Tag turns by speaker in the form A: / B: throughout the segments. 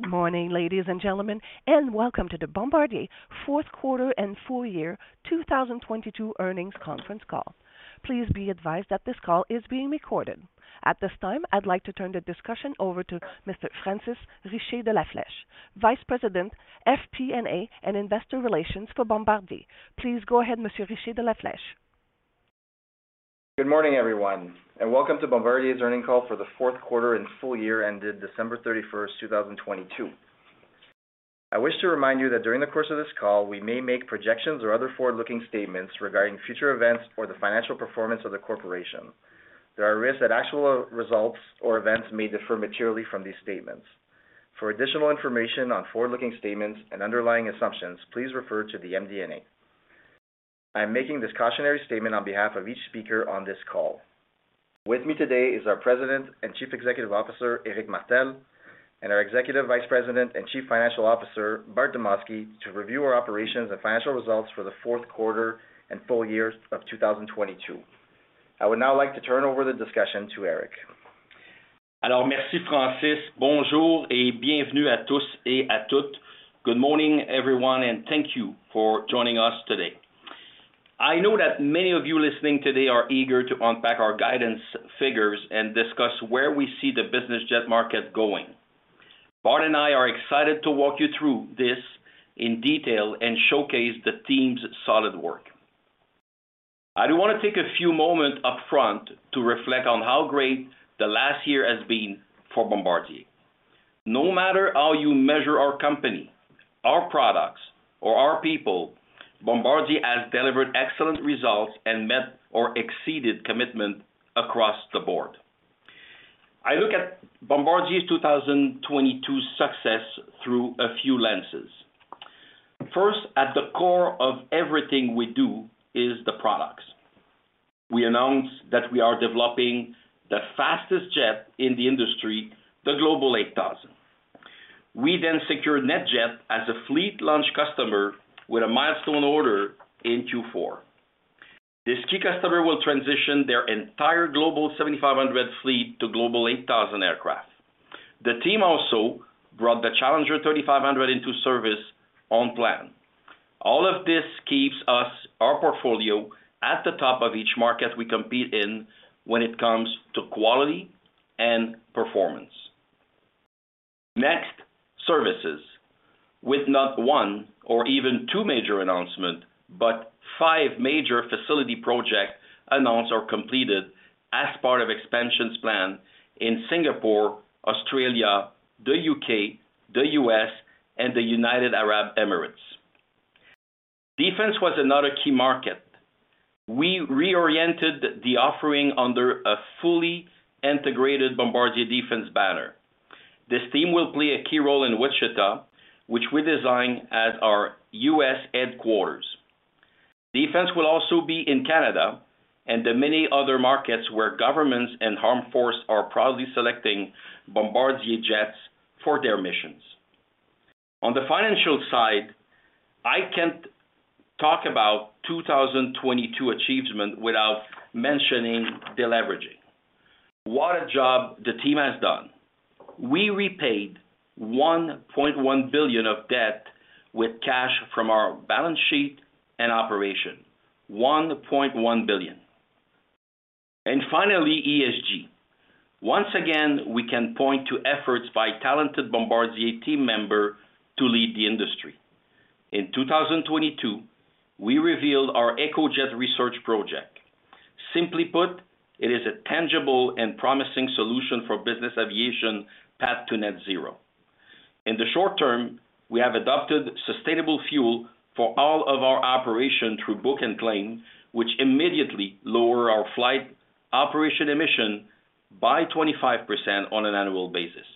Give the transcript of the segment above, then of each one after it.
A: Good morning, ladies and gentlemen, welcome to the Bombardier fourth quarter and full-year 2022 earnings conference call. Please be advised that this call is being recorded. At this time, I'd like to turn the discussion over to Mr. Francis Richer de La Fleche, Vice President FP&A and Investor Relations for Bombardier. Please go ahead, Mr. Richer de La Fleche.
B: Good morning, everyone, and welcome to Bombardier's earnings call for the fourth quarter and full-year ended December 31st, 2022. I wish to remind you that during the course of this call, we may make projections or other forward-looking statements regarding future events or the financial performance of the corporation. There are risks that actual results or events may differ materially from these statements. For additional information on forward-looking statements and underlying assumptions, please refer to the MD&A. I am making this cautionary statement on behalf of each speaker on this call. With me today is our President and Chief Executive Officer, Éric Martel, and our Executive Vice President and Chief Financial Officer, Bart Demosky, to review our operations and financial results for the fourth quarter and full-year of 2022. I would now like to turn over the discussion to Éric.
C: Alors merci, Francis. Bonjour et bienvenue à tous et à toutes. Good morning, everyone, and thank you for joining us today. I know that many of you listening today are eager to unpack our guidance figures and discuss where we see the business jet market going. Bart and I are excited to walk you through this in detail and showcase the team's solid work. I do want to take a few moment upfront to reflect on how great the last year has been for Bombardier. No matter how you measure our company, our products, or our people, Bombardier has delivered excellent results and met or exceeded commitment across the board. I look at Bombardier's 2022 success through a few lenses. First, at the core of everything we do is the products. We announced that we are developing the fastest jet in the industry, the Global 8000. We secured NetJets as a fleet launch customer with a milestone order in Q4. This key customer will transition their entire Global 7500 fleet to Global 8000 aircraft. The team also brought the Challenger 3500 into service on plan. All of this keeps us, our portfolio, at the top of each market we compete in when it comes to quality and performance. Services. With not one or even two major announcement, but five major facility project announced or completed as part of expansions plan in Singapore, Australia, the U.K., the U.S., and the United Arab Emirates. Defense was another key market. We reoriented the offering under a fully integrated Bombardier Defense banner. This team will play a key role in Wichita, which we design as our U.S. headquarters. Defense will also be in Canada and the many other markets where governments and armed forces are proudly selecting Bombardier jets for their missions. On the financial side, I can't talk about 2022 achievement without mentioning deleveraging. What a job the team has done. We repaid $1.1 billion of debt with cash from our balance sheet and operation. $1.1 billion. Finally, ESG. Once again, we can point to efforts by talented Bombardier team member to lead the industry. In 2022, we revealed our EcoJet Research Project. Simply put, it is a tangible and promising solution for business aviation path to net zero. In the short term, we have adopted sustainable fuel for all of our operation through Book and Claim, which immediately lower our flight operation emission by 25% on an annual basis.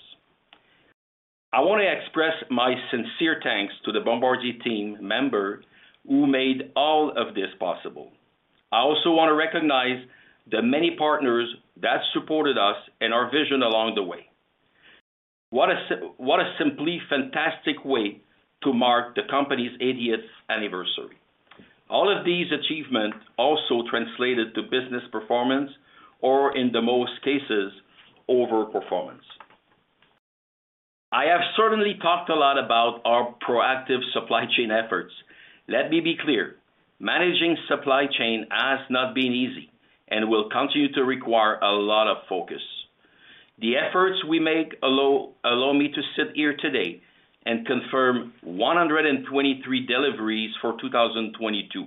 C: I want to express my sincere thanks to the Bombardier team member who made all of this possible. I also want to recognize the many partners that supported us and our vision along the way. What a simply fantastic way to mark the company's 80th anniversary. All of these achievement also translated to business performance or in the most cases, overperformance. I have certainly talked a lot about our proactive supply chain efforts. Let me be clear, managing supply chain has not been easy and will continue to require a lot of focus. The efforts we make allow me to sit here today and confirm 123 deliveries for 2022.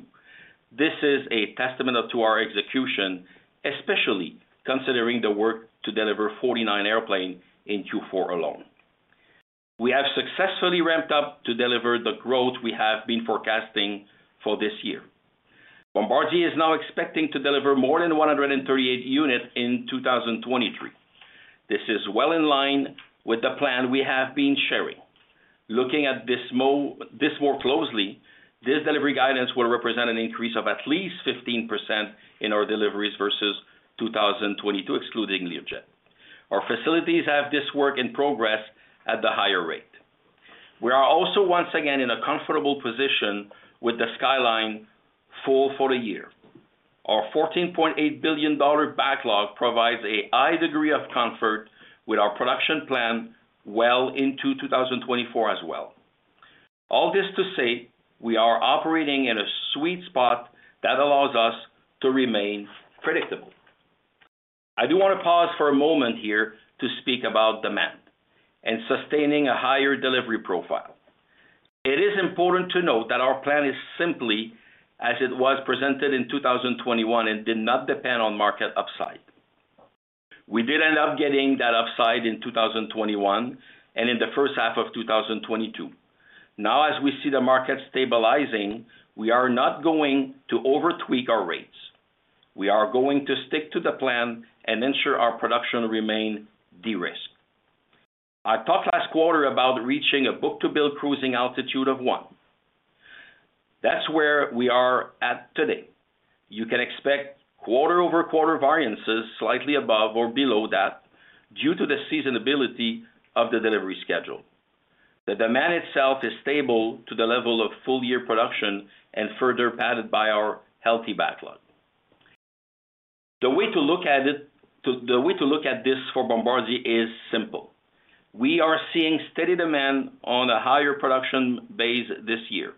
C: This is a testament to our execution, especially considering the work to deliver 49 airplane in Q4 alone. We have successfully ramped up to deliver the growth we have been forecasting for this year. Bombardier is now expecting to deliver more than 138 units in 2023. This is well in line with the plan we have been sharing. Looking at this more closely, this delivery guidance will represent an increase of at least 15% in our deliveries versus 2022, excluding Learjet. Our facilities have this work in progress at the higher rate. We are also once again in a comfortable position with the skyline full for a year. Our $14.8 billion backlog provides a high degree of comfort with our production plan well into 2024 as well. All this to say, we are operating in a sweet spot that allows us to remain predictable. I do wanna pause for a moment here to speak about demand and sustaining a higher delivery profile. It is important to note that our plan is simply as it was presented in 2021, and did not depend on market upside. We did end up getting that upside in 2021 and in the first half of 2022. Now, as we see the market stabilizing, we are not going to over-tweak our rates. We are going to stick to the plan and ensure our production remain de-risked. I talked last quarter about reaching a book-to-bill cruising altitude of 1. That's where we are at today. You can expect quarter-over-quarter variances slightly above or below that due to the seasonability of the delivery schedule. The demand itself is stable to the level of full-year production and further padded by our healthy backlog. The way to look at this for Bombardier is simple. We are seeing steady demand on a higher production base this year.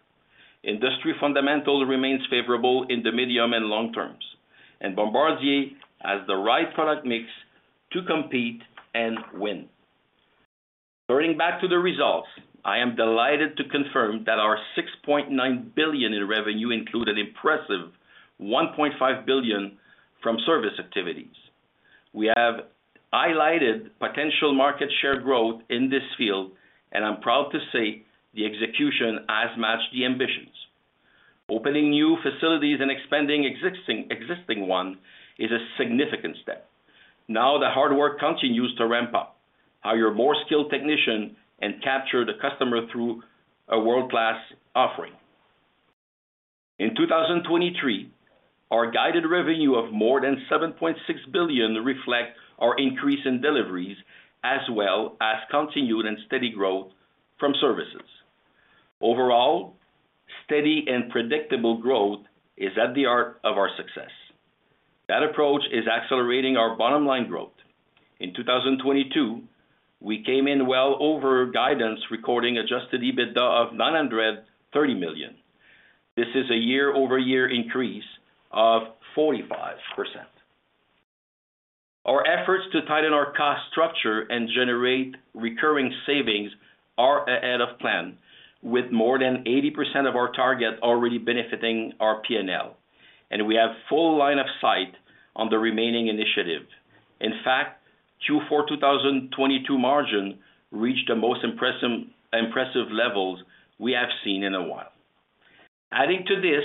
C: Industry fundamental remains favorable in the medium and long terms. Bombardier has the right product mix to compete and win. Turning back to the results, I am delighted to confirm that our $6.9 billion in revenue include an impressive $1.5 billion from service activities. We have highlighted potential market share growth in this field. I'm proud to say the execution has matched the ambitions. Opening new facilities and expanding existing one is a significant step. The hard work continues to ramp up, hire more skilled technician, and capture the customer through a world-class offering. In 2023, our guided revenue of more than $7.6 billion reflect our increase in deliveries, as well as continued and steady growth from services. Overall, steady and predictable growth is at the heart of our success. That approach is accelerating our bottom-line growth. In 2022, we came in well over guidance, recording adjusted EBITDA of $930 million. This is a year-over-year increase of 45%. Our efforts to tighten our cost structure and generate recurring savings are ahead of plan, with more than 80% of our target already benefiting our P&L, and we have full line of sight on the remaining initiative. In fact, Q4 2022 margin reached the most impressive levels we have seen in a while. Adding to this,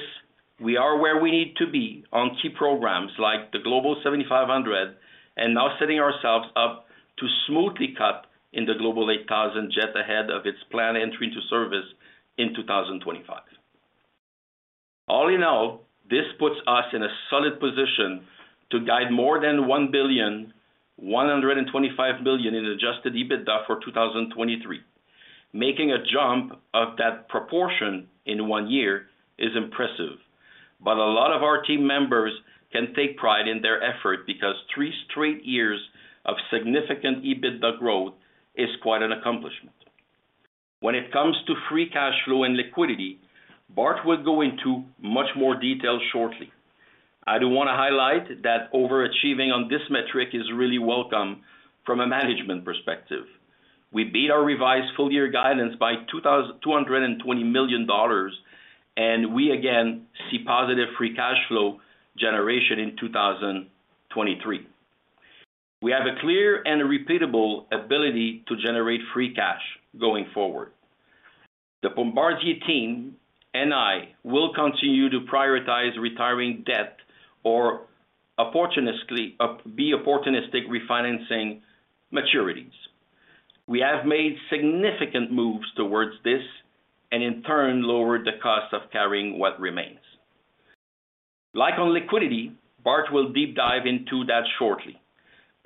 C: we are where we need to be on key programs like the Global 7500 and now setting ourselves up to smoothly cut in the Global 8000 jet ahead of its planned entry into service in 2025. All in all, this puts us in a solid position to guide more than $1 billion $125 billion in adjusted EBITDA for 2023. Making a jump of that proportion in one year is impressive, but a lot of our team members can take pride in their effort because three straight years of significant EBITDA growth is quite an accomplishment. When it comes to free cash flow and liquidity, Bart will go into much more detail shortly. I do wanna highlight that overachieving on this metric is really welcome from a management perspective. We beat our revised full-year guidance by $220 million. We again see positive free cash flow generation in 2023. We have a clear and repeatable ability to generate free cash going forward. The Bombardier team and I will continue to prioritize retiring debt or be opportunistic refinancing maturities. We have made significant moves towards this and in turn lowered the cost of carrying what remains. Like on liquidity, Bart will deep dive into that shortly.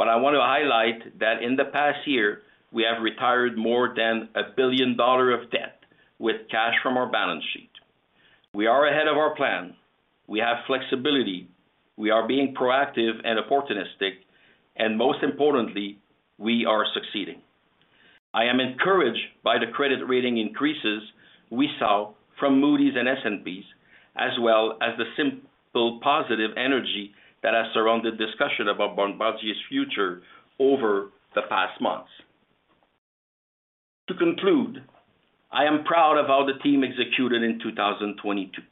C: I want to highlight that in the past year, we have retired more than $1 billion of debt with cash from our balance sheet. We are ahead of our plan. We have flexibility, we are being proactive and opportunistic, and most importantly, we are succeeding. I am encouraged by the credit rating increases we saw from Moody's and S&P's, as well as the simple positive energy that has surrounded discussion about Bombardier's future over the past months. To conclude, I am proud of how the team executed in 2022.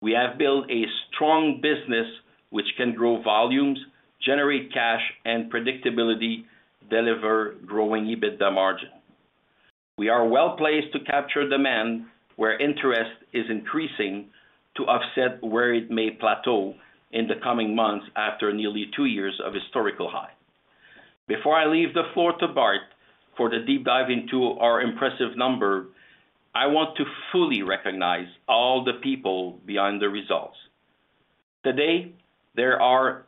C: We have built a strong business which can grow volumes, generate cash, and predictability deliver growing EBITDA margin. We are well-placed to capture demand where interest is increasing to offset where it may plateau in the coming months after nearly two years of historical high. Before I leave the floor to Bart for the deep dive into our impressive number, I want to fully recognize all the people behind the results. Today, there are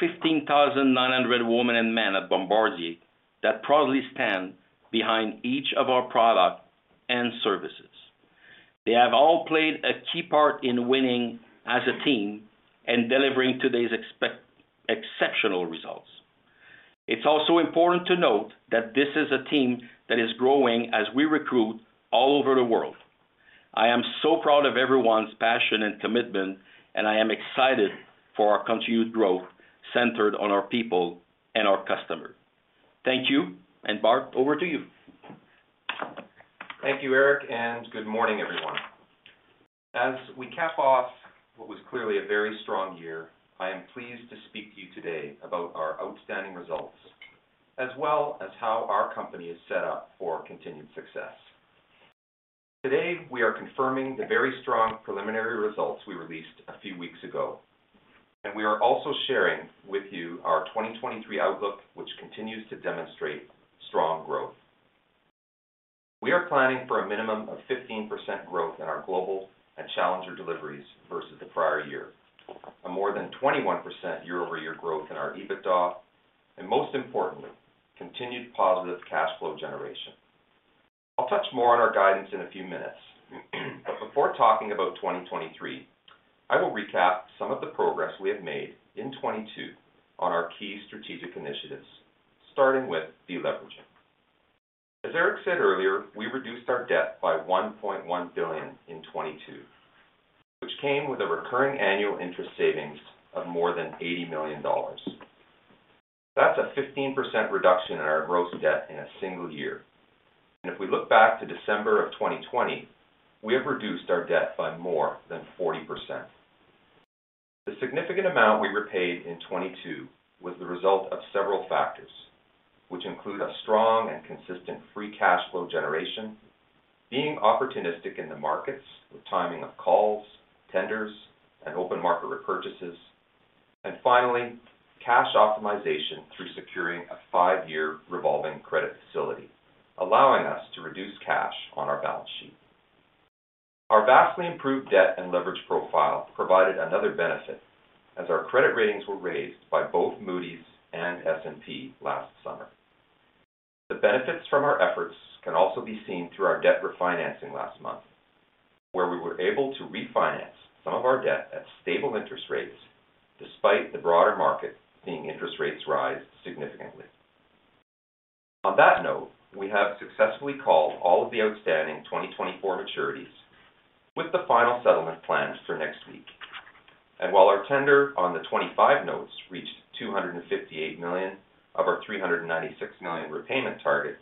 C: 15,900 women and men at Bombardier that proudly stand behind each of our products and services. They have all played a key part in winning as a team and delivering today's exceptional results. It's also important to note that this is a team that is growing as we recruit all over the world. I am so proud of everyone's passion and commitment. I am excited for our continued growth centered on our people and our customers. Thank you. Bart, over to you.
D: Thank you, Éric, and good morning, everyone. As we cap off what was clearly a very strong year, I am pleased to speak to you today about our outstanding results, as well as how our company is set up for continued success. Today, we are confirming the very strong preliminary results we released a few weeks ago, and we are also sharing with you our 2023 outlook, which continues to demonstrate strong growth. We are planning for a minimum of 15% growth in our Global and Challenger deliveries versus the prior year, a more than 21% year-over-year growth in our EBITDA, and, most importantly, continued positive cash flow generation. I'll touch more on our guidance in a few minutes, but before talking about 2023, I will recap some of the progress we have made in 2022 on our key strategic initiatives, starting with deleveraging. As Éric said earlier, we reduced our debt by $1.1 billion in 2022, which came with a recurring annual interest savings of more than $80 million. That's a 15% reduction in our gross debt in a single year. If we look back to December of 2020, we have reduced our debt by more than 40%. The significant amount we repaid in 2022 was the result of several factors, which include a strong and consistent free cash flow generation, being opportunistic in the markets with timing of calls, tenders, and open market repurchases, and finally, cash optimization through securing a five-year revolving credit facility, allowing us to reduce cash on our balance sheet. Our vastly improved debt and leverage profile provided another benefit as our credit ratings were raised by both Moody's and S&P last summer. The benefits from our efforts can also be seen through our debt refinancing last month, where we were able to refinance some of our debt at stable interest rates despite the broader market seeing interest rates rise significantly. On that note, we have successfully called all of the outstanding 2024 maturities with the final settlement plans for next week. While our tender on the 25 notes reached $258 million of our $396 million repayment target,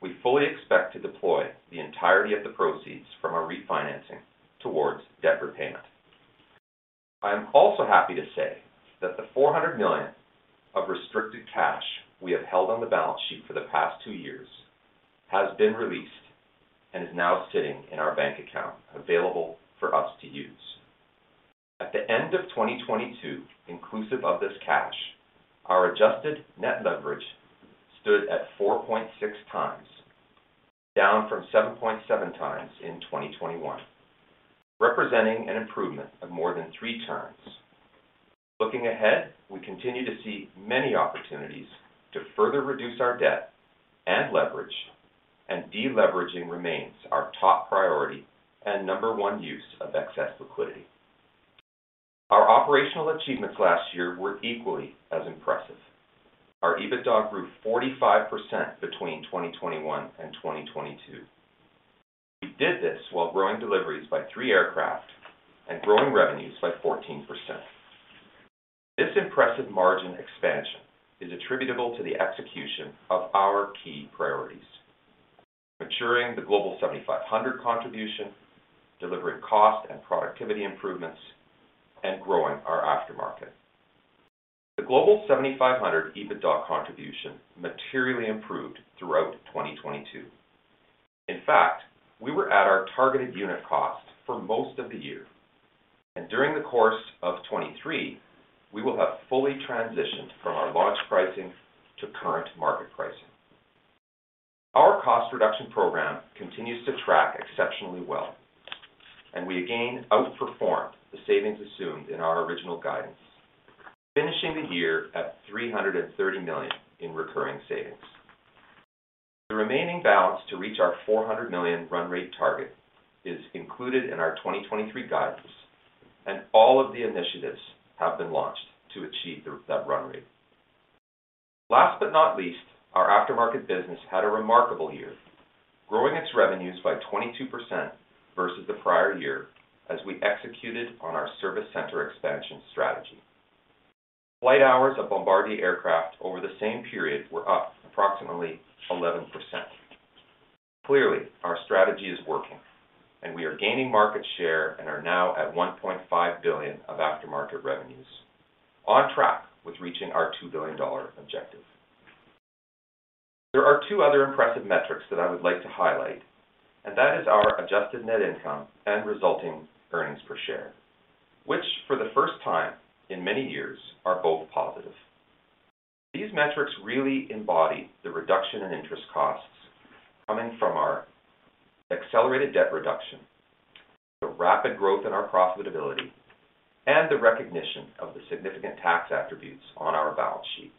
D: we fully expect to deploy the entirety of the proceeds from our refinancing towards debt repayment. I am also happy to say that the $400 million of restricted cash we have held on the balance sheet for the past two years has been released and is now sitting in our bank account, available for us to use. At the end of 2022, inclusive of this cash, our adjusted net leverage stood at 4.6x, down from 7.7x in 2021, representing an improvement of more than 3x. Deleveraging remains our top priority and number one use of excess liquidity. Our operational achievements last year were equally as impressive. Our EBITDA grew 45% between 2021 and 2022. We did this while growing deliveries by three aircraft and growing revenues by 14%. This impressive margin expansion is attributable to the execution of our key priorities, ensuring the Global 7500 contribution, delivering cost and productivity improvements, and growing our aftermarket. The Global 7500 EBITDA contribution materially improved throughout 2022. In fact, we were at our targeted unit cost for most of the year. During the course of 2023, we will have fully transitioned from our launch pricing to current market pricing. Our cost reduction program continues to track exceptionally well. We again outperformed the savings assumed in our original guidance, finishing the year at $330 million in recurring savings. The remaining balance to reach our $400 million run rate target is included in our 2023 guidance. All of the initiatives have been launched to achieve that run rate. Last but not least, our aftermarket business had a remarkable year, growing its revenues by 22% versus the prior year as we executed on our service center expansion strategy. Flight hours of Bombardier aircraft over the same period were up approximately 11%. Clearly, our strategy is working. We are gaining market share and are now at $1.5 billion of aftermarket revenues, on track with reaching our $2 billion objective. There are two other impressive metrics that I would like to highlight. That is our adjusted net income and resulting earnings per share, which for the first time in many years are both positive. These metrics really embody the reduction in interest costs coming from our accelerated debt reduction, the rapid growth in our profitability, and the recognition of the significant tax attributes on our balance sheet.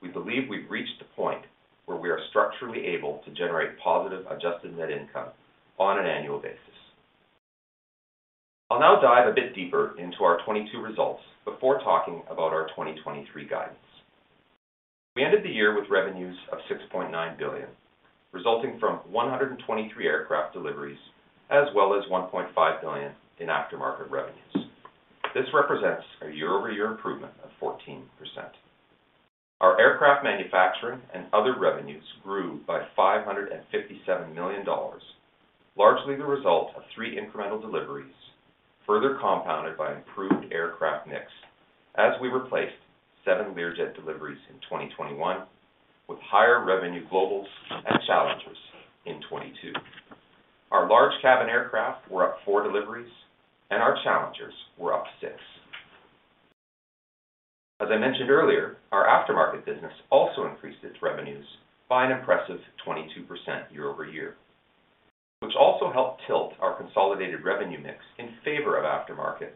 D: We believe we've reached the point where we are structurally able to generate positive adjusted net income on an annual basis. I'll now dive a bit deeper into our 2022 results before talking about our 2023 guidance. We ended the year with revenues of $6.9 billion, resulting from 123 aircraft deliveries, as well as $1.5 billion in aftermarket revenues. This represents a year-over-year improvement of 14%. Our aircraft manufacturing and other revenues grew by $557 million, largely the result of three incremental deliveries, further compounded by improved aircraft mix as we replaced seven Learjet deliveries in 2021 with higher revenue Globals and Challengers in 2022. Our large cabin aircraft were up four deliveries, and our Challengers were up six. As I mentioned earlier, our aftermarket business also increased its revenues by an impressive 22% year-over-year, which also helped tilt our consolidated revenue mix in favor of aftermarket,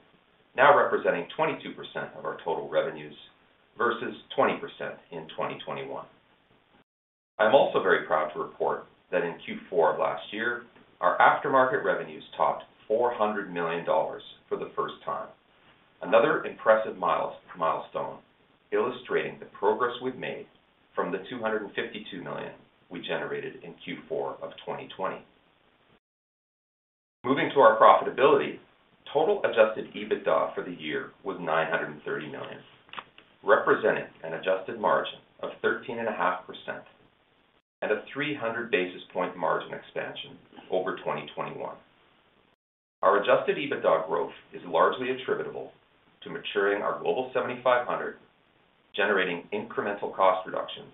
D: now representing 22% of our total revenues versus 20% in 2021. I'm also very proud to report that in Q4 of last year, our aftermarket revenues topped $400 million for the first time, another impressive milestone illustrating the progress we've made from the $252 million we generated in Q4 of 2020. Moving to our profitability, total adjusted EBITDA for the year was $930 million, representing an adjusted margin of 13.5% and a 300 basis point margin expansion over 2021. Our adjusted EBITDA growth is largely attributable to maturing our Global 7500, generating incremental cost reductions,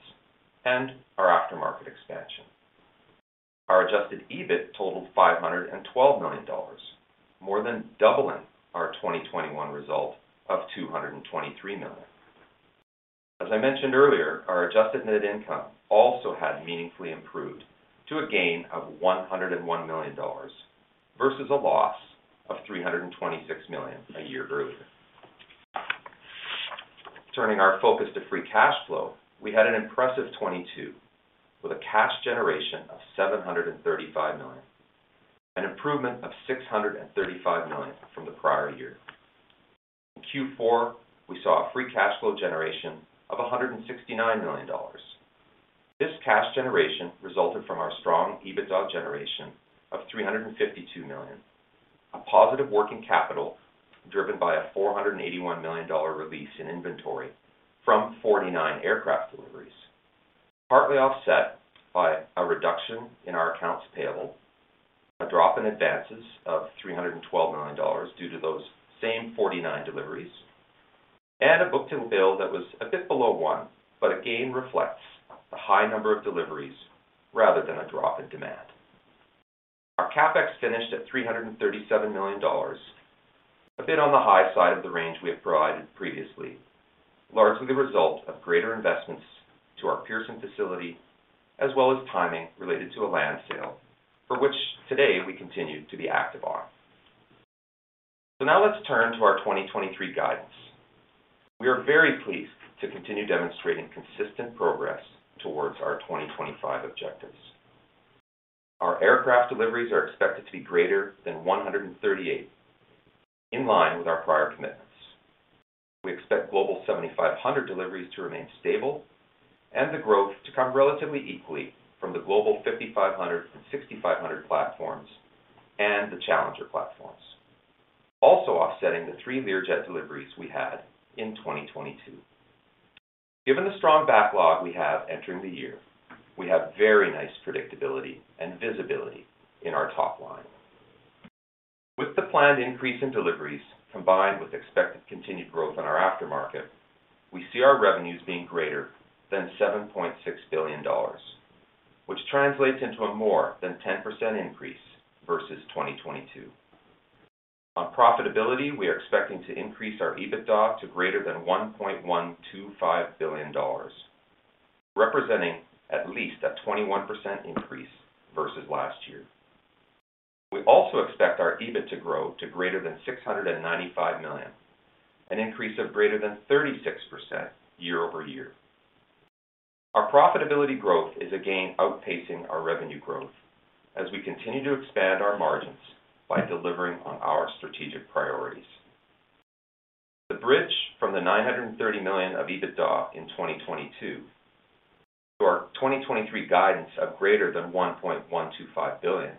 D: and our aftermarket expansion. Our adjusted EBIT totaled $512 million, more than doubling our 2021 result of $223 million. As I mentioned earlier, our adjusted net income also had meaningfully improved to a gain of $101 million versus a loss of $326 million a year earlier. Turning our focus to free cash flow, we had an impressive 2022 with a cash generation of $735 million, an improvement of $635 million from the prior year. In Q4, we saw a free cash flow generation of $169 million. This cash generation resulted from our strong EBITDA generation of $352 million, a positive working capital driven by a $481 million release in inventory from 49 aircraft deliveries, partly offset by a reduction in our accounts payable, a drop in advances of $312 million due to those same 49 deliveries, and a book-to-bill that was a bit below 1, but again reflects the high number of deliveries rather than a drop in demand. Our CapEx finished at $337 million, a bit on the high side of the range we have provided previously, largely the result of greater investments to our Pearson facility as well as timing related to a land sale for which today we continue to be active on. Now let's turn to our 2023 guidance. We are very pleased to continue demonstrating consistent progress towards our 2025 objectives. Our aircraft deliveries are expected to be greater than 138, in line with our prior commitments. We expect Global 7500 deliveries to remain stable and the growth to come relatively equally from the Global 5500 and 6500 platforms and the Challenger platforms, also offsetting the three Learjet deliveries we had in 2022. Given the strong backlog we have entering the year, we have very nice predictability and visibility in our top line. With the planned increase in deliveries combined with expected continued growth in our aftermarket, we see our revenues being greater than $7.6 billion, which translates into a more than 10% increase versus 2022. On profitability, we are expecting to increase our EBITDA to greater than $1.125 billion, representing at least a 21% increase versus last year. We also expect our EBIT to grow to greater than $695 million, an increase of greater than 36% year-over-year. Our profitability growth is again outpacing our revenue growth as we continue to expand our margins by delivering on our strategic priorities. The bridge from the $930 million of EBITDA in 2022 to our 2023 guidance of greater than $1.125 billion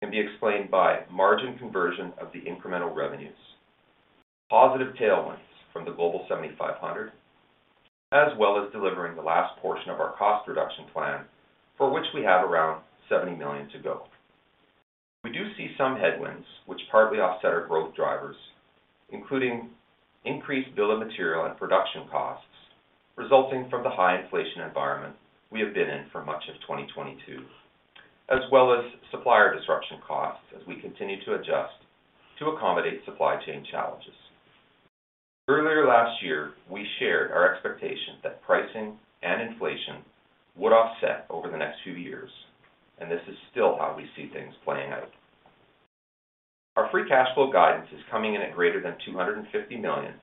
D: can be explained by margin conversion of the incremental revenues, positive tailwinds from the Global 7500, as well as delivering the last portion of our cost reduction plan, for which we have around $70 million to go. We do see some headwinds which partly offset our growth drivers, including increased bill of materials and production costs resulting from the high inflation environment we have been in for much of 2022. Supplier disruption costs as we continue to adjust to accommodate supply chain challenges. Earlier last year, we shared our expectation that pricing and inflation would offset over the next few years, and this is still how we see things playing out. Our free cash flow guidance is coming in at greater than $250 million,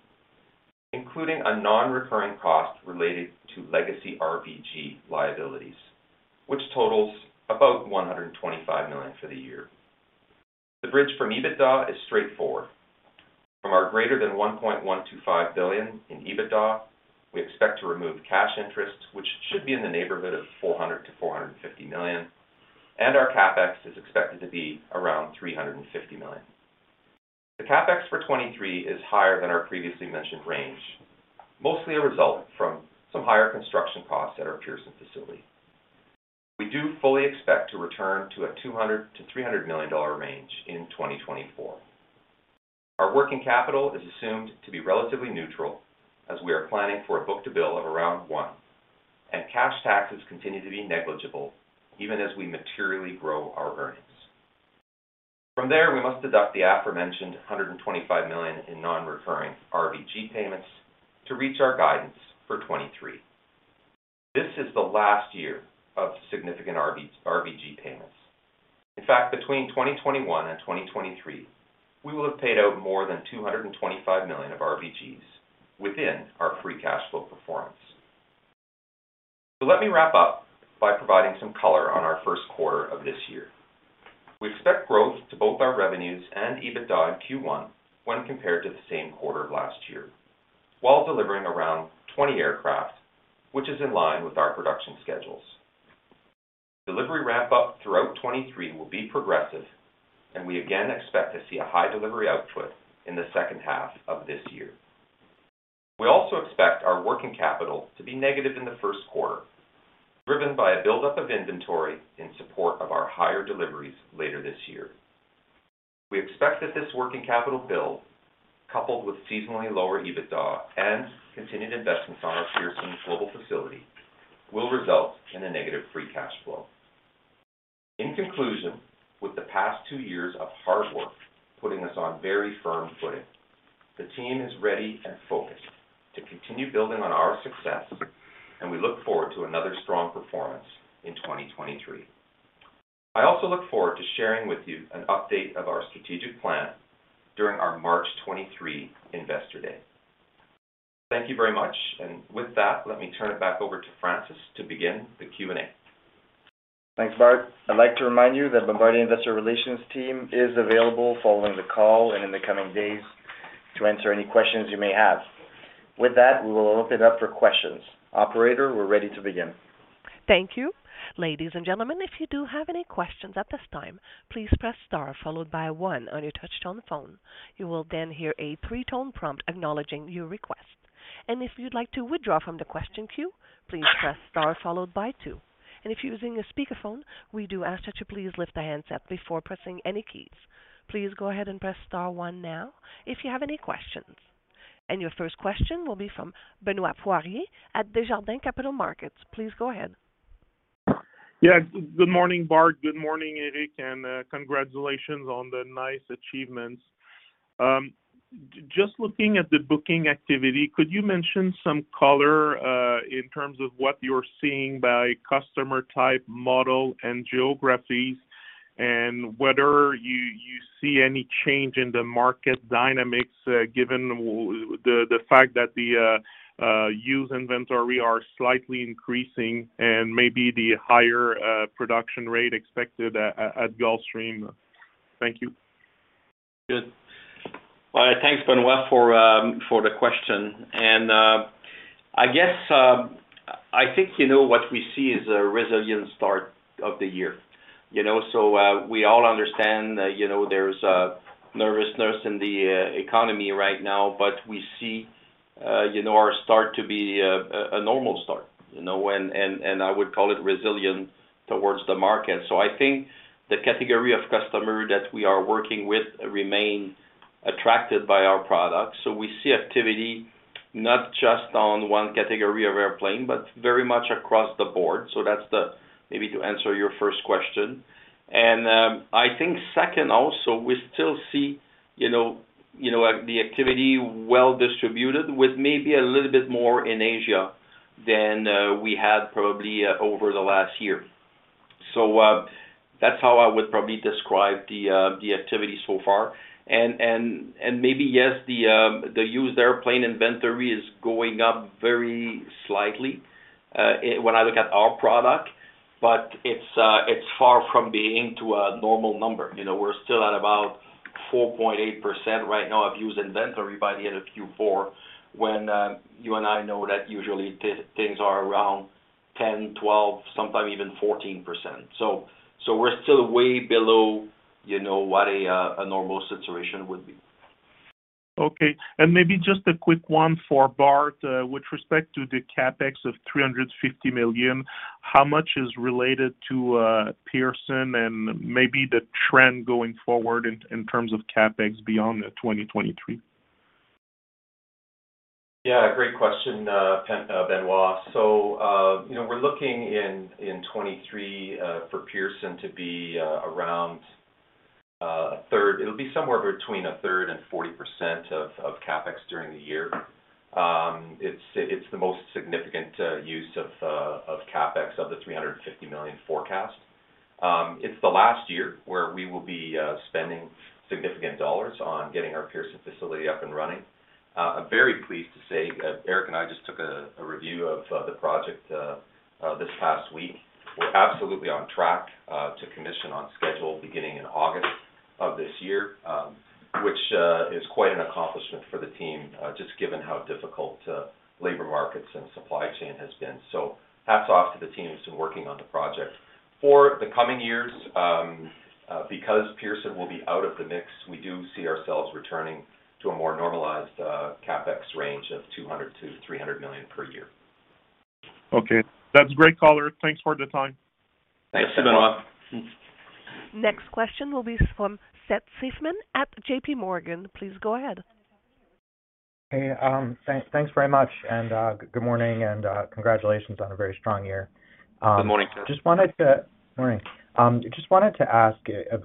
D: including a non-recurring cost related to legacy RVG liabilities, which totals about $125 million for the year. The bridge from EBITDA is straightforward. From our greater than $1.125 billion in EBITDA, we expect to remove cash interest, which should be in the neighborhood of $400 million-$450 million. Our CapEx is expected to be around $350 million. The CapEx for 2023 is higher than our previously mentioned range, mostly a result from some higher construction costs at our Pearson facility. We do fully expect to return to a $200 million-$300 million range in 2024. Our working capital is assumed to be relatively neutral as we are planning for a book-to-bill of around 1. Cash taxes continue to be negligible even as we materially grow our earnings. From there, we must deduct the aforementioned $125 million in non-recurring RVG payments to reach our guidance for 2023. This is the last year of significant RVG payments. Between 2021 and 2023, we will have paid out more than $225 million of RVGs within our free cash flow performance. Let me wrap up by providing some color on our first quarter of this year. We expect growth to both our revenues and EBITDA in Q1 when compared to the same quarter last year, while delivering around 20 aircraft, which is in line with our production schedules. Delivery ramp-up throughout 2023 will be progressive, and we again expect to see a high delivery output in the second half of this year. We also expect our working capital to be negative in the first quarter, driven by a buildup of inventory in support of our higher deliveries later this year. We expect that this working capital build, coupled with seasonally lower EBITDA and continued investments on our Pearson global facility, will result in a negative free cash flow. In conclusion, with the past two years of hard work putting us on very firm footing, the team is ready and focused to continue building on our success. We look forward to another strong performance in 2023. I also look forward to sharing with you an update of our strategic plan during our March 23 Investor Day. Thank you very much. With that, let me turn it back over to Francis to begin the Q&A.
B: Thanks, Bart. I'd like to remind you that Bombardier Investor Relations team is available following the call and in the coming days to answer any questions you may have. With that, we will open up for questions. Operator, we're ready to begin.
A: Thank you. Ladies and gentlemen, if you do have any questions at this time, please press star followed by one on your touch-tone phone. You will then hear a pre-tone prompt acknowledging your request. If you'd like to withdraw from the question queue, please press star followed by two. If you're using a speakerphone, we do ask that you please lift the handset before pressing any keys. Please go ahead and press star one now if you have any questions. Your first question will be from Benoit Poirier at Desjardins Capital Markets. Please go ahead.
E: Yes. Good morning, Bart. Good morning, Éric, and congratulations on the nice achievements. Just looking at the booking activity, could you mention some color in terms of what you're seeing by customer type, model, and geographies, and whether you see any change in the market dynamics given the fact that the used inventory are slightly increasing and maybe the higher production rate expected at Gulfstream? Thank you.
C: Good. Well, thanks, Benoit, for for the question. I guess I think, you know, what we see is a resilient start of the year, you know? We all understand, you know, there's a nervousness in the economy right now, but we see, you know, our start to be a normal start, you know? I would call it resilient towards the market. I think the category of customer that we are working with remain attracted by our products. We see activity not just on one category of airplane, but very much across the board. That's the, maybe to answer your first question. I think second also, we still see, you know, the activity well-distributed with maybe a little bit more in Asia than we had probably over the last year. That's how I would probably describe the activity so far. Maybe, yes, the used airplane inventory is going up very slightly, when I look at our product, but it's far from being to a normal number. You know, we're still at about 4.8% right now of used inventory by the end of Q4, when you and I know that usually things are around 10, 12, sometimes even 14%. We're still way below, you know, what a normal situation would be.
E: Okay. Maybe just a quick one for Bart, with respect to the CapEx of $350 million, how much is related to Pearson and maybe the trend going forward in terms of CapEx beyond 2023?
D: Yeah, great question, Benoit. You know, we're looking in 2023 for Pearson to be around a third. It'll be somewhere between a third and 40% of CapEx during the year. It's the most significant use of CapEx of the $350 million forecast. It's the last year where we will be spending significant dollars on getting our Pearson facility up and running. I'm very pleased to say, Éric and I just took a review of the project this past week. We're absolutely on track to commission on schedule beginning in August of this year, which is quite an accomplishment for the team, just given how difficult labor markets and supply chain has been. Hats off to the team who's been working on the project. For the coming years, because Pearson will be out of the mix, we do see ourselves returning to a more normalized CapEx range of $200 million-$300 million per year.
E: Okay. That's great, Colin. Thanks for the time.
C: Thanks, Benoit.
A: Next question will be from Seth Seifman at JPMorgan. Please go ahead.
F: Hey, thanks very much and, good morning and, congratulations on a very strong year.
C: Good morning, Seth.
F: Morning. Just wanted to ask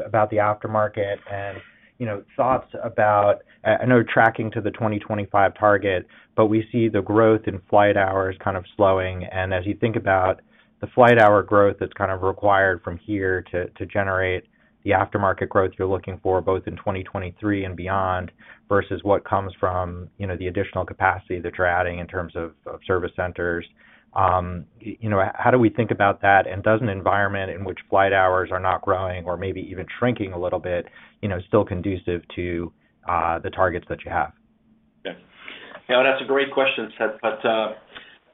F: about the aftermarket and, you know, thoughts about, I know tracking to the 2025 target, but we see the growth in flight hours kind of slowing. As you think about the flight hour growth that's kind of required from here to generate the aftermarket growth you're looking for both in 2023 and beyond versus what comes from, you know, the additional capacity that you're adding in terms of service centers. You know, how do we think about that? Does an environment in which flight hours are not growing or maybe even shrinking a little bit, you know, still conducive to the targets that you have?
C: Yeah. No, that's a great question, Seth.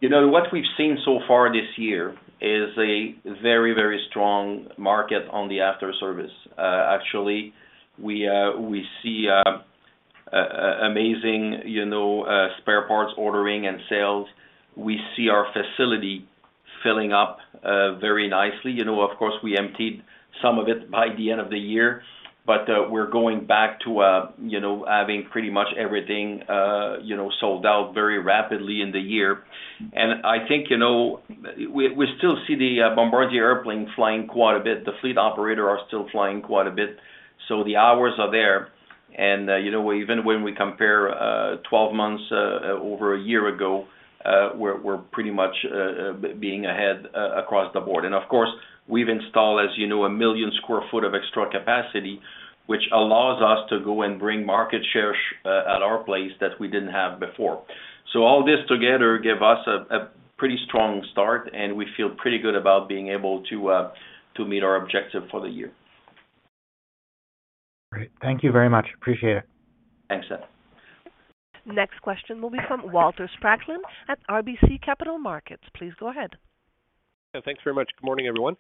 C: You know, what we've seen so far this year is a very, very strong market on the after service. Actually, we see a amazing, you know, spare parts ordering and sales. We see our facility filling up very nicely. You know, of course, we emptied some of it by the end of the year, but we're going back to, you know, having pretty much everything, you know, sold out very rapidly in the year. I think, you know, we still see the Bombardier airplane flying quite a bit. The fleet operator are still flying quite a bit, so the hours are there. You know, even when we compare 12 months over a year ago, we're pretty much being ahead across the board. Of course, we've installed, as you know, 1 million sq ft of extra capacity, which allows us to go and bring market share at our place that we didn't have before. All this together give us a pretty strong start, and we feel pretty good about being able to meet our objective for the year.
F: Great. Thank you very much. Appreciate it.
C: Thanks, Seth.
A: Next question will be from Walter Spracklin at RBC Capital Markets. Please go ahead.
G: Yeah, thanks very much. Good morning, everyone.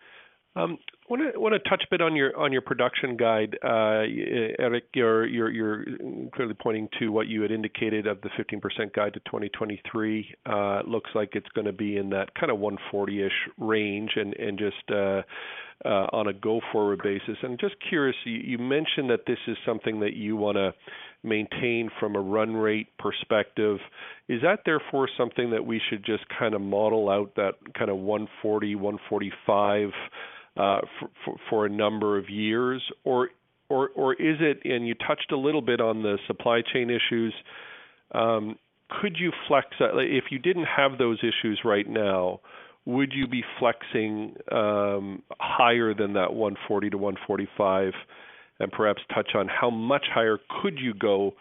G: I wanna touch a bit on your production guide. Éric, you're clearly pointing to what you had indicated of the 15% guide to 2023. It looks like it's gonna be in that kinda 140-ish range and just on a go-forward basis. I'm just curious, you mentioned that this is something that you wanna maintain from a run rate perspective. Is that therefore something that we should just kinda model out that kinda 140, 145 for a number of years? Or is it? You touched a little bit on the supply chain issues. Could you flex that? If you didn't have those issues right now, would you be flexing higher than that 140 to 145? Perhaps touch on how much higher could you go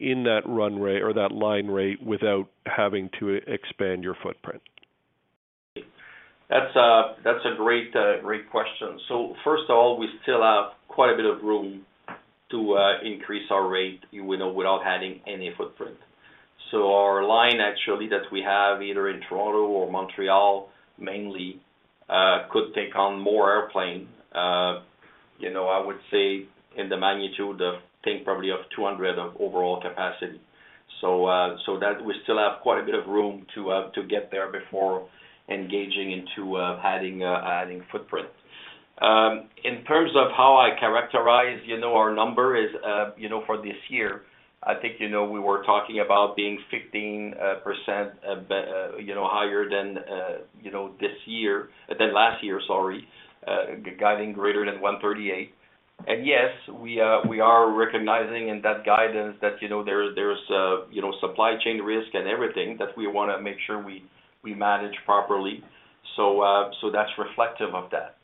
G: in that run rate or that line rate without having to expand your footprint?
C: That's a, that's a great question. First of all, we still have quite a bit of room to increase our rate, you know, without adding any footprint. Our line actually that we have either in Toronto or Montreal mainly, could take on more airplane. You know, I would say in the magnitude of, I think, probably of 200 of overall capacity. That we still have quite a bit of room to get there before engaging into adding footprint. In terms of how I characterize, you know, our number is, you know, for this year, I think, you know, we were talking about being 15% higher than, you know, this year. Than last year, sorry, guiding greater than 138. Yes, we are recognizing in that guidance that, you know, there's, you know, supply chain risk and everything that we wanna make sure we manage properly. That's reflective of that.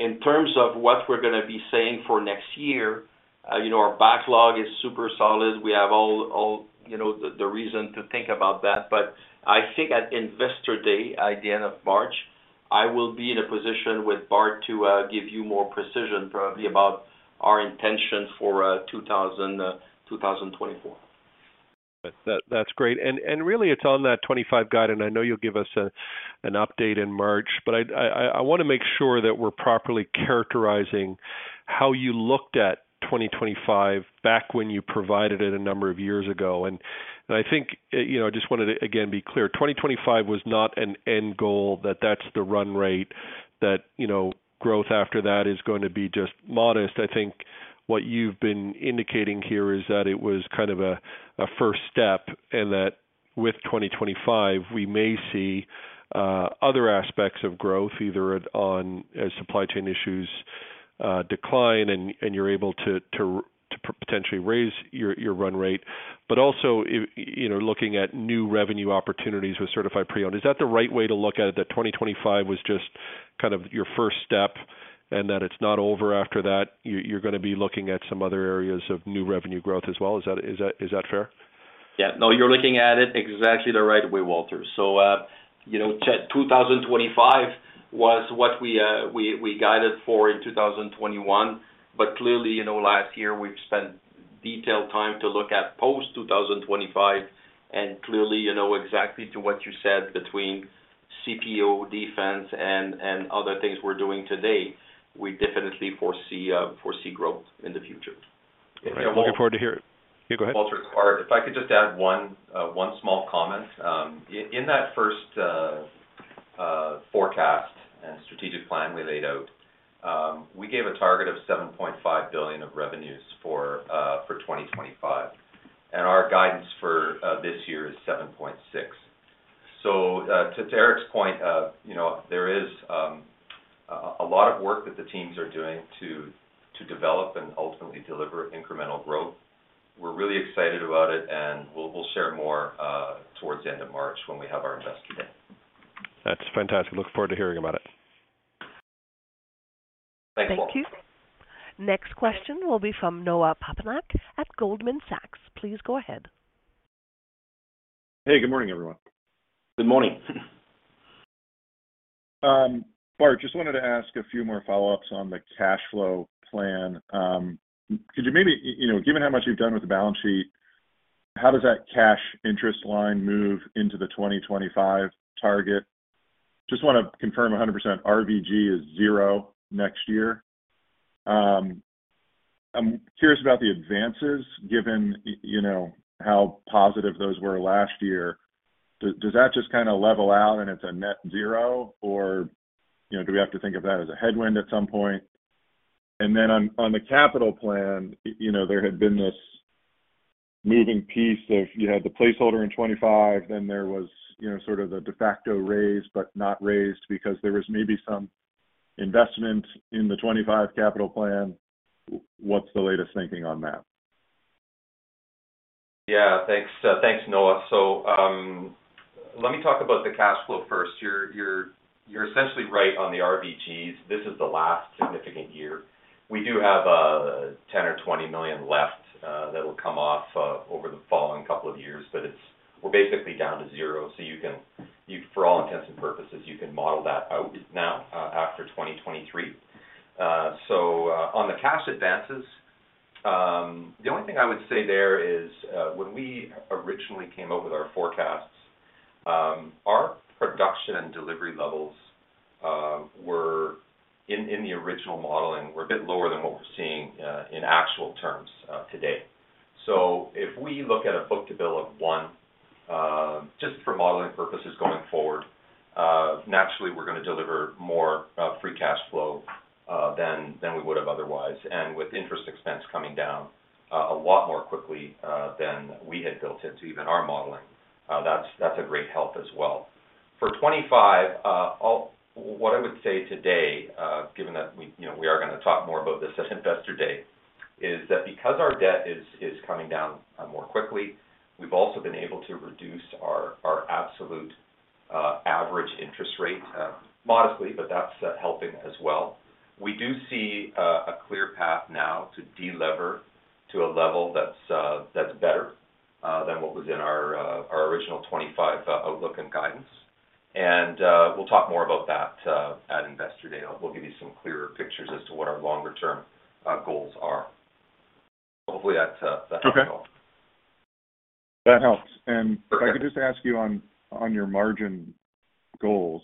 C: In terms of what we're gonna be saying for next year, you know, our backlog is super solid. We have all, you know, the reason to think about that. I think at Investor Day, at the end of March, I will be in a position with Bart to give you more precision probably about our intention for 2024.
G: That's great. Really it's on that 25 guide, and I know you'll give us an update in March, but I wanna make sure that we're properly characterizing how you looked at 2025 back when you provided it a number of years ago. I think, you know, I just wanted to again be clear, 2025 was not an end goal, that's the run rate that, you know, growth after that is going to be just modest. I think what you've been indicating here is that it was kind of a first step. With 2025, we may see other aspects of growth, either on as supply chain issues decline and you're able to potentially raise your run rate, but also, you know, looking at new revenue opportunities with certified pre-owned. Is that the right way to look at it, that 2025 was just kind of your first step and that it's not over after that? You're going to be looking at some other areas of new revenue growth as well. Is that fair?
C: Yeah. No, you're looking at it exactly the right way, Walter. You know, 2025 was what we guided for in 2021. Clearly, you know, last year we've spent detailed time to look at post 2025. Clearly, you know, exactly to what you said between CPO, defense, and other things we're doing today, we definitely foresee growth in the future.
G: All right. Looking forward to hear. Yeah, go ahead.
D: Walter, if I could just add one small comment. In that first forecast and strategic plan we laid out, we gave a target of $7.5 billion of revenues for 2025, and our guidance for this year is $7.6 billion. To Éric's point, you know, there is a lot of work that the teams are doing to develop and ultimately deliver incremental growth. We're really excited about it, and we'll share more towards the end of March when we have our Investor Day.
G: That's fantastic. Look forward to hearing about it.
C: Thanks, Walter.
A: Thank you. Next question will be from Noah Poponak at Goldman Sachs. Please go ahead.
H: Hey, good morning, everyone.
C: Good morning.
H: Bart, just wanted to ask a few more follow-ups on the cash flow plan. Could you maybe, you know, given how much you've done with the balance sheet, how does that cash interest line move into the 2025 target? Just wanna confirm 100% RVG is zero next year. I'm curious about the advances given, you know, how positive those were last year. Does that just kinda level out and it's a net zero, or, you know, do we have to think of that as a headwind at some point? Then on the capital plan, you know, there had been this moving piece of you had the placeholder in 25, then there was, you know, sort of the de facto raise but not raised because there was maybe some investment in the 25 capital plan. What's the latest thinking on that?
D: Thanks, thanks, Noah. Let me talk about the cash flow first. You're essentially right on the RVGs. This is the last significant year. We do have $10 million or $20 million left that will come off over the following couple of years, but We're basically down to zero. For all intents and purposes, you can model that out now after 2023. On the cash advances, the only thing I would say there is when we originally came up with our forecasts, our production and delivery levels were in the original modeling, were a bit lower than what we're seeing in actual terms today. If we look at a book-to-bill of one, just for modeling purposes going forward, naturally, we're gonna deliver more free cash flow than we would have otherwise. With interest expense coming down a lot more quickly than we had built into even our modeling, that's a great help as well. For 25, what I would say today, given that we, you know, we are gonna talk more about this at Investor Day, is that because our debt is coming down more quickly, we've also been able to reduce our absolute average interest rate modestly, but that's helping as well. We do see a clear path now to de-lever to a level that's better than what was in our our original 2025 outlook and guidance. We'll talk more about that at Investor Day. We'll give you some clearer pictures as to what our longer-term goals are. Hopefully that helps, Noah.
H: Okay. That helps.
D: Perfect.
H: If I could just ask you on your margin goals.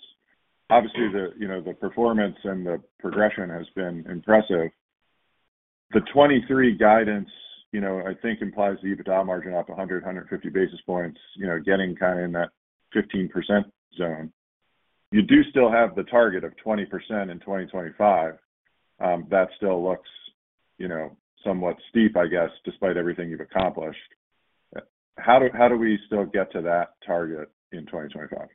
H: Obviously, you know, the performance and the progression has been impressive. The 2023 guidance, you know, I think implies the EBITDA margin up 100-150 basis points, you know, getting kinda in that 15% zone. You do still have the target of 20% in 2025. That still looks, you know, somewhat steep, I guess, despite everything you've accomplished. How do we still get to that target in 2025?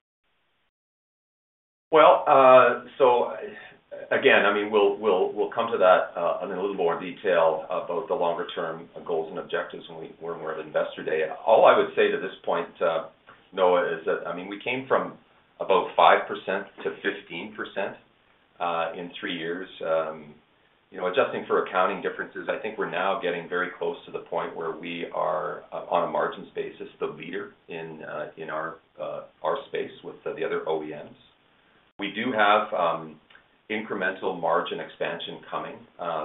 D: Again, I mean, we'll come to that in a little more detail about the longer-term goals and objectives when we're at Investor Day. All I would say to this point, Noah, is that, I mean, we came from about 5% to 15% in three years. You know, adjusting for accounting differences, I think we're now getting very close to the point where we are, on a margin basis, the leader in our space with the other OEMs. We do have incremental margin expansion coming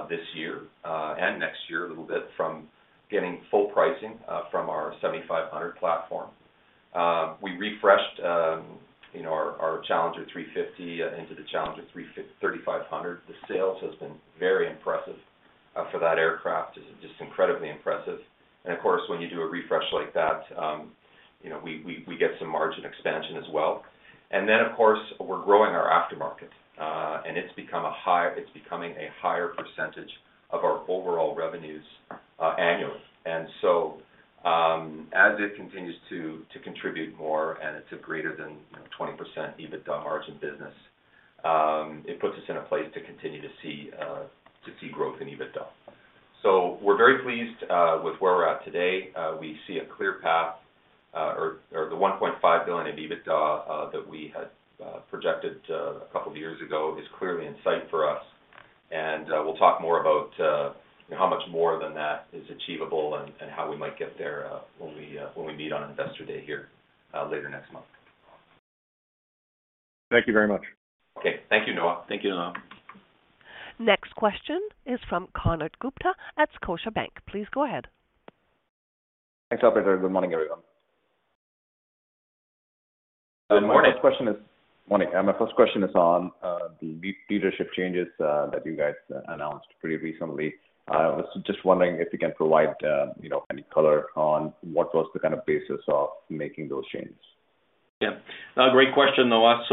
D: this year and next year, a little bit from getting full pricing from our 7500 platform. You know, we refreshed our Challenger 350 into the Challenger 3500. The sales has been very impressive for that aircraft. Just incredibly impressive. Of course, when you do a refresh like that, you know, we get some margin expansion as well. Of course, we're growing our aftermarket, and it's becoming a higher percentage of our overall revenues annually. As it continues to contribute more and it's a greater than 20% EBITDA margin business, it puts us in a place to continue to see growth in EBITDA. We're very pleased with where we're at today. We see a clear path, or the $1.5 billion in EBITDA that we had projected a couple of years ago is clearly in sight for us. We'll talk more about how much more than that is achievable and how we might get there when we meet on Investor Day here later next month.
H: Thank you very much.
C: Okay. Thank you, Noah.
A: Thank you, Noah. Next question is from Konark Gupta at Scotiabank. Please go ahead.
I: Thanks, operator. Good morning, everyone.
C: Good morning.
I: Morning. My first question is on the leadership changes that you guys announced pretty recently. I was just wondering if you can provide, you know, any color on what was the kind of basis of making those changes.
C: Yeah. A great question, Noah.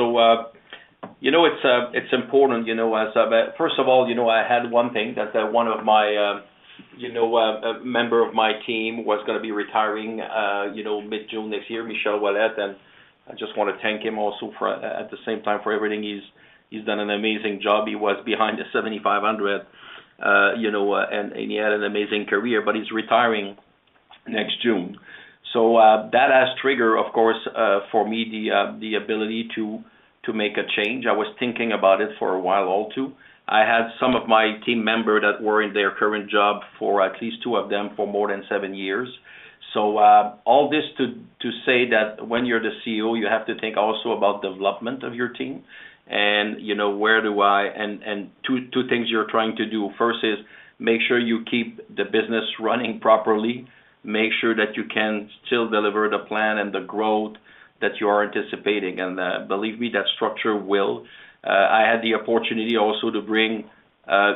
C: You know, it's important, you know, First of all, you know, I had one thing that one of my, you know, a member of my team was gonna be retiring, you know, mid-June this year, Michel Ouellette, and I just wanna thank him also for at the same time for everything he's done an amazing job. He was behind the 7500, you know, and he had an amazing career, but he's retiring next June. That has trigger, of course, for me, the ability to make a change. I was thinking about it for a while all, too. I had some of my team member that were in their current job for at least two of them for more than seven years. All this to say that when you're the CEO, you have to think also about development of your team and, you know. Two things you're trying to do. First is make sure you keep the business running properly, make sure that you can still deliver the plan and the growth that you are anticipating. Believe me, that structure will. I had the opportunity also to bring,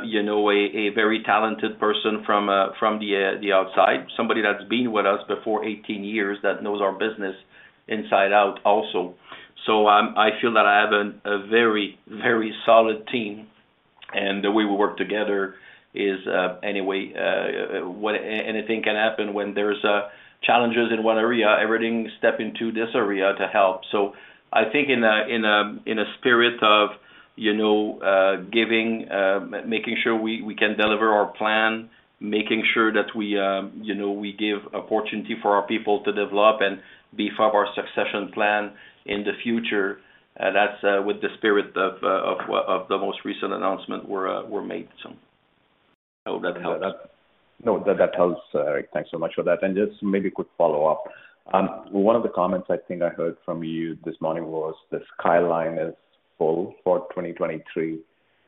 C: you know, a very talented person from the outside, somebody that's been with us before 18 years, that knows our business inside out also. I feel that I have a very solid team, and the way we work together is, anyway, when anything can happen when there's challenges in one area, everything step into this area to help. I think in a, in a spirit of, you know, giving, making sure we can deliver our plan, making sure that we, you know, we give opportunity for our people to develop and beef up our succession plan in the future, that's with the spirit of the most recent announcement were made. I hope that helps.
I: No, that helps, Éric. Thanks so much for that. Just maybe a quick follow-up. One of the comments I think I heard from you this morning was the skyline is full for 2023,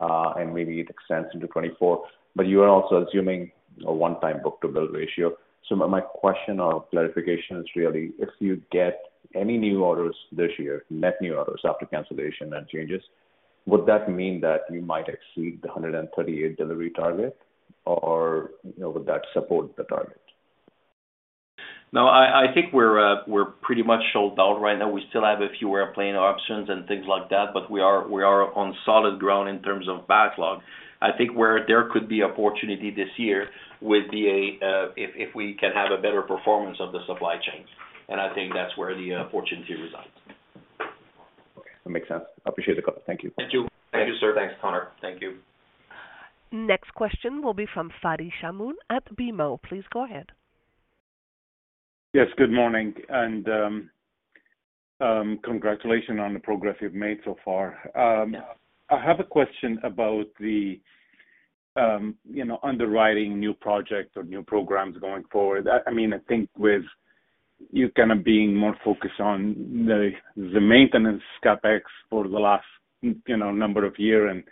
I: and maybe it extends into 2024, but you are also assuming a one-time book-to-bill ratio. My, my question or clarification is really if you get any new orders this year, net new orders after cancellation and changes, would that mean that you might exceed the 138 delivery target, or, you know, would that support the target?
C: No, I think we're pretty much sold out right now. We still have a few airplane options and things like that, but we are on solid ground in terms of backlog. I think where there could be opportunity this year would be a, if we can have a better performance of the supply chains. I think that's where the opportunity resides.
I: Okay. That makes sense. Appreciate the call. Thank you.
C: Thank you.
I: Thank you, sir.
C: Thanks, Konark. Thank you.
A: Next question will be from Fadi Chamoun at BMO. Please go ahead.
J: Yes, good morning. Congratulations on the progress you've made so far. I have a question about the, you know, underwriting new projects or new programs going forward. I mean, I think with you kind of being more focused on the maintenance CapEx for the last, you know, number of year and,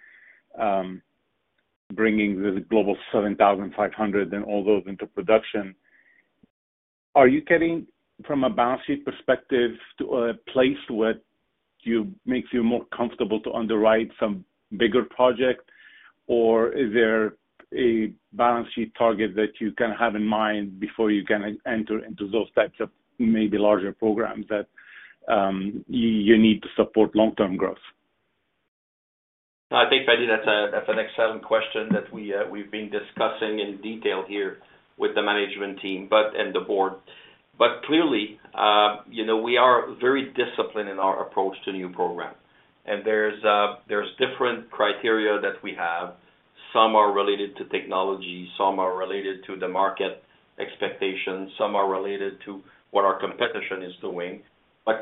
J: bringing the Global 7500 and all those into production, are you getting, from a balance sheet perspective, to a place where you makes you more comfortable to underwrite some bigger project? Or is there a balance sheet target that you can have in mind before you can enter into those types of maybe larger programs that, you need to support long-term growth?
C: I think, Fadi, that's a, that's an excellent question that we've been discussing in detail here with the management team and the board. Clearly, you know, we are very disciplined in our approach to new program. There's different criteria that we have. Some are related to technology, some are related to the market expectations, some are related to what our competition is doing.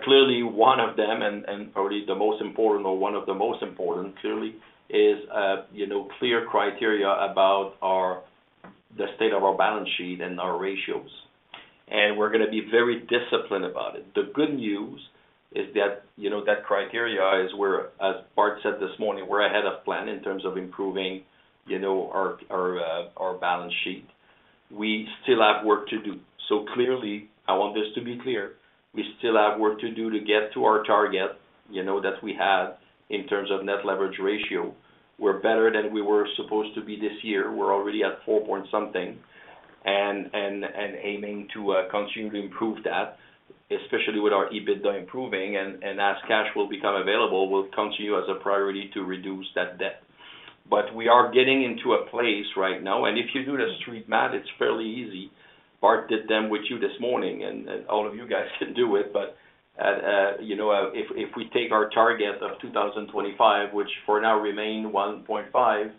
C: Clearly, one of them, and probably the most important or one of the most important, clearly, is, you know, clear criteria about our, the state of our balance sheet and our ratios. We're gonna be very disciplined about it. The good news is that, you know, that criteria is we're, as Bart said this morning, we're ahead of plan in terms of improving, you know, our, our balance sheet. We still have work to do. Clearly, I want this to be clear, we still have work to do to get to our target, you know, that we have in terms of net leverage ratio. We're better than we were supposed to be this year. We're already at four point something. And aiming to continue to improve that, especially with our EBITDA improving. And as cash will become available, we'll continue as a priority to reduce that debt. We are getting into a place right now, and if you do the street math, it's fairly easy. Bart did them with you this morning, and all of you guys can do it. You know, if we take our target of 2025, which for now remain 1.5,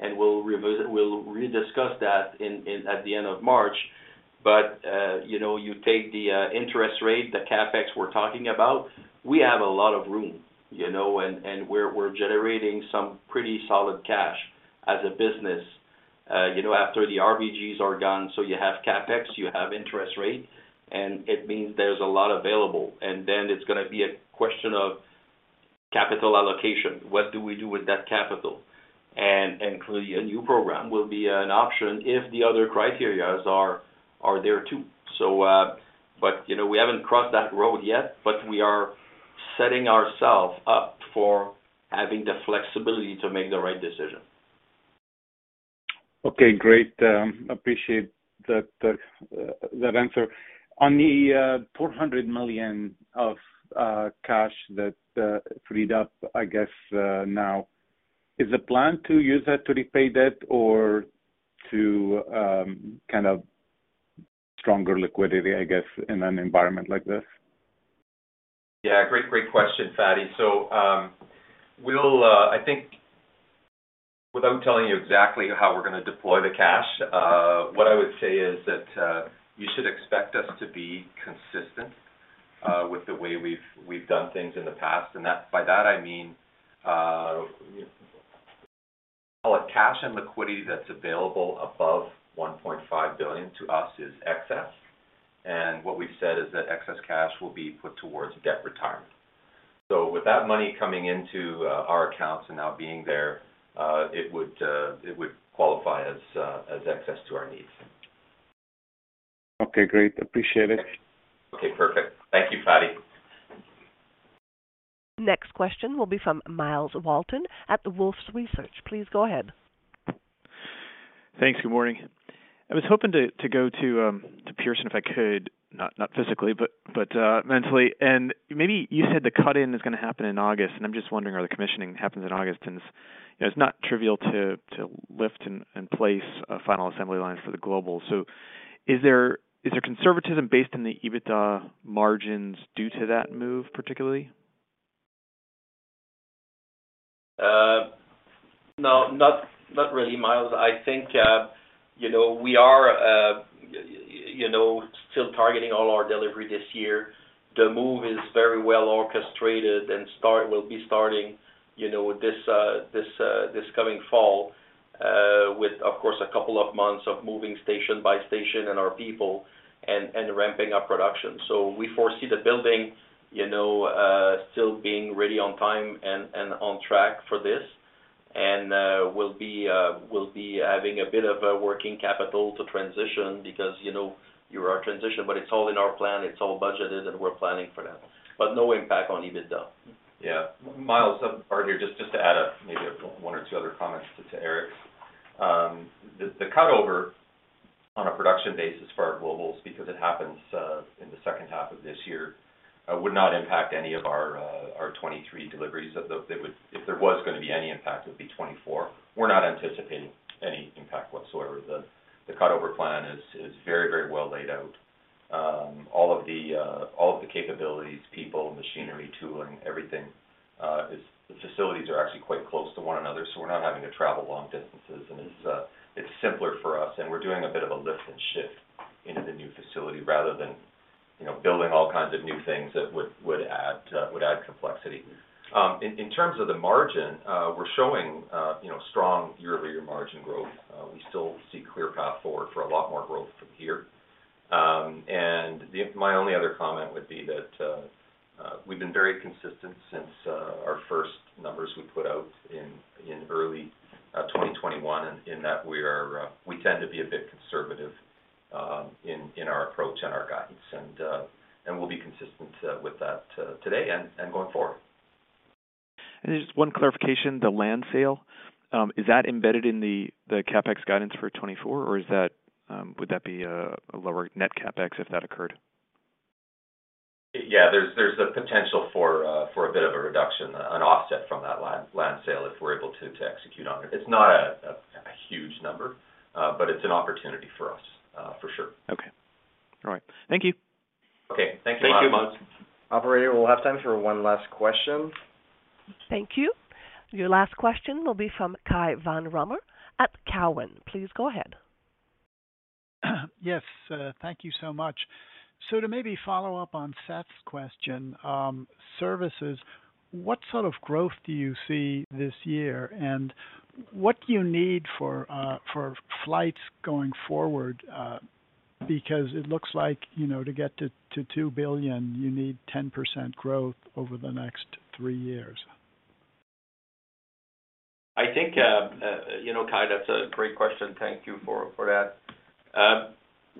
C: and we'll re-discuss that at the end of March. You know, you take the interest rate, the CapEx we're talking about, we have a lot of room, you know, and we're generating some pretty solid cash as a business. You know, after the RVGs are done, so you have CapEx, you have interest rate, and it means there's a lot available. It's gonna be a question of capital allocation. What do we do with that capital? Clearly, a new program will be an option if the other criterias are there too. You know, we haven't crossed that road yet, but we are setting ourselves up for having the flexibility to make the right decision.
J: Okay, great. Appreciate that answer. On the $400 million of cash that freed up, I guess, now, is the plan to use that to repay debt or to kind of stronger liquidity, I guess, in an environment like this?
D: Great, great question, Fadi. We'll, I think without telling you exactly how we're gonna deploy the cash, what I would say is that you should expect us to be consistent with the way we've done things in the past. By that I mean, call it cash and liquidity that's available above $1.5 billion to us is excess. What we've said is that excess cash will be put towards debt retirement. With that money coming into our accounts and now being there, it would qualify as excess to our needs.
J: Okay, great. Appreciate it.
D: Okay, perfect. Thank you, Fadi.
A: Next question will be from Myles Walton at Wolfe Research. Please go ahead.
K: Thanks. Good morning. I was hoping to go to Pearson, if I could, not physically, but mentally. Maybe you said the cut-in is gonna happen in August, I'm just wondering, are the commissioning happens in August? It's, you know, it's not trivial to lift and place final assembly lines for the Global. Is there conservatism based in the EBITDA margins due to that move, particularly?
C: No, not really, Myles. I think, you know, we are, you know, still targeting all our delivery this year. The move is very well orchestrated and will be starting, you know, this, this coming fall, with, of course, a couple of months of moving station by station and our people and ramping up production. We foresee the building, you know, still being ready on time and on track for this. We'll be having a bit of a working capital to transition because, you know, you are transitioned, but it's all in our plan, it's all budgeted, and we're planning for that. No impact on EBITDA.
D: Yeah. Myles, Bart here, just to add, maybe one or two other comments to Éric's. The cutover on a production basis for our Globals, because it happens in the second half of this year, would not impact any of our 23 deliveries. If there was gonna be any impact, it would be 24. We're not anticipating any impact whatsoever. The cutover plan is very well laid out. All of the capabilities, people, machinery, tooling, everything, is... The facilities are actually quite close to one another, so we're not having to travel long distances, and it's simpler for us, and we're doing a bit of a lift and shift into the new facility rather than, you know, building all kinds of new things that would add, would add complexity. In terms of the margin, we're showing, you know, strong year-over-year margin growth. We still see clear path forward for a lot more growth from here. My only other comment would be that we've been very consistent since our first numbers we put out in early 2021 in that we are, we tend to be a bit conservative in our approach and our guidance. We'll be consistent with that today and going forward.
K: Just one clarification, the land sale, is that embedded in the CapEx guidance for 2024, or is that, would that be, a lower net CapEx if that occurred?
D: Yeah. There's a potential for a bit of a reduction, an offset from that land sale if we're able to execute on it. It's not a huge number, but it's an opportunity for us, for sure.
K: Okay. All right. Thank you.
D: Okay. Thanks a lot, Myles.
C: Thank you.
B: Operator, we'll have time for one last question.
A: Thank you. Your last question will be from Cai von Rumohr at Cowen. Please go ahead.
L: Yes. Thank you so much. To maybe follow up on Seth's question, services, what sort of growth do you see this year, and what do you need for flights going forward? It looks like, you know, to get to $2 billion, you need 10% growth over the next three years.
C: I think, you know, Cai, that's a great question. Thank you for that.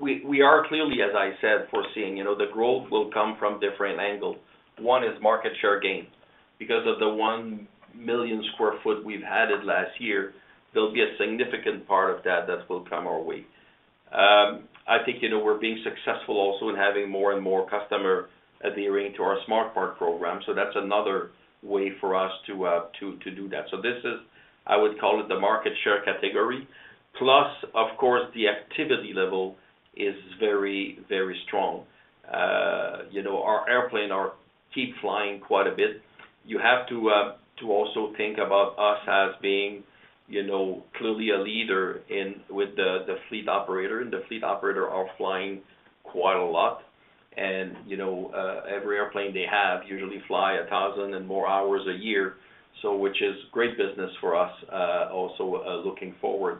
C: We are clearly, as I said, foreseeing, you know, the growth will come from different angles. One is market share gain. Because of the 1 million sq ft we've added last year, there'll be a significant part of that that will come our way. I think, you know, we're being successful also in having more and more customer adhering to our Smart Parts program, so that's another way for us to do that. This is, I would call it the market share category. Plus, of course, the activity level is very strong. You know, our airplane are keep flying quite a bit. You have to to also think about us as being, you know, clearly a leader with the fleet operator, and the fleet operator are flying quite a lot. Every airplane they have usually fly 1,000 and more hours a year, which is great business for us also looking forward.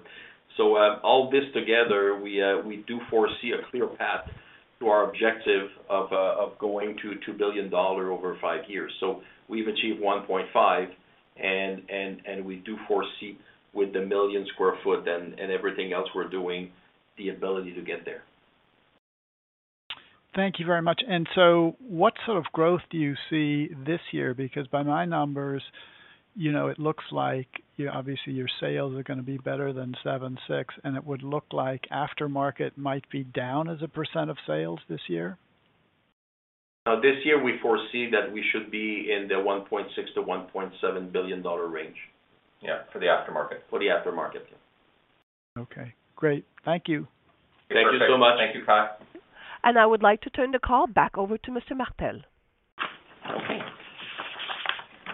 C: All this together, we do foresee a clear path to our objective of going to $2 billion over five years. We've achieved $1.5 billion, and we do foresee with the million sq ft and everything else we're doing, the ability to get there.
L: Thank you very much. What sort of growth do you see this year? Because by my numbers, you know, it looks like, obviously, your sales are gonna be better than $7.6, and it would look like aftermarket might be down as a percent of sales this year.
C: No, this year we foresee that we should be in the $1.6 billion-$1.7 billion range.
D: Yeah, for the aftermarket.
C: For the aftermarket.
L: Okay, great. Thank you.
C: Thank you so much.
D: Thank you, Cai.
A: I would like to turn the call back over to Mr. Martel.
C: Okay.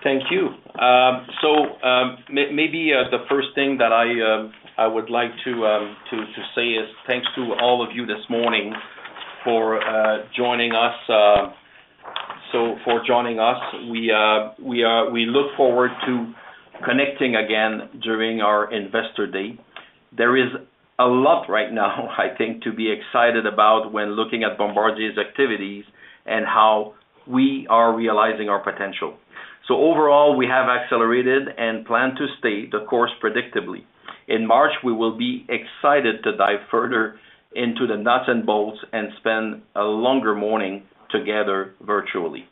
C: Thank you. Maybe the first thing that I would like to say is thanks to all of you this morning for joining us. We look forward to connecting again during our Investor Day. There is a lot right now, I think, to be excited about when looking at Bombardier's activities and how we are realizing our potential. Overall, we have accelerated and plan to stay the course predictably. In March, we will be excited to dive further into the nuts and bolts and spend a longer morning together virtually.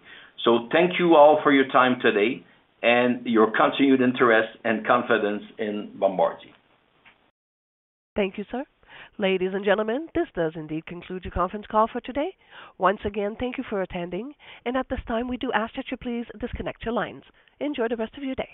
C: Thank you all for your time today and your continued interest and confidence in Bombardier.
A: Thank you, sir. Ladies and gentlemen, this does indeed conclude your conference call for today. Once again, thank you for attending. At this time, we do ask that you please disconnect your lines. Enjoy the rest of your day.